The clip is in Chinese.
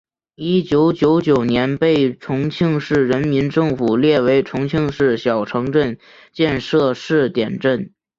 一九九九年被重庆市人民政府列为重庆市小城镇建设试点镇。